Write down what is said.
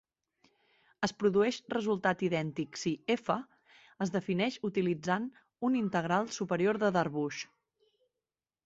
Es produeix resultat idèntic si "F" es defineix utilitzant un integral superior de Darboux.